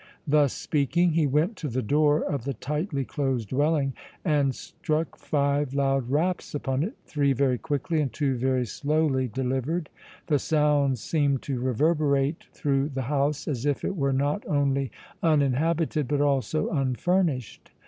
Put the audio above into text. Thus speaking he went to the door of the tightly closed dwelling and struck five loud raps upon it, three very quickly and two very slowly delivered. The sounds seemed to reverberate through the house as if it were not only uninhabited but also unfurnished.